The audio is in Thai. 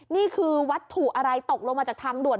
นี่คือวัตถุอะไรตกลงมาจากทางด่วน